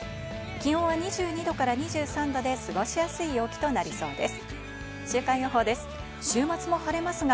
気温は２２度から２３度で過ごしやすい陽気となりそうです。